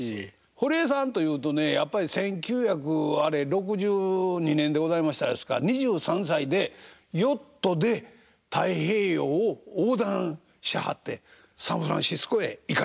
堀江さんというとねやっぱり１９６２年でございましたですか２３歳でヨットで太平洋を横断しはってサンフランシスコへ行かれた。